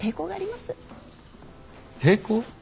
抵抗？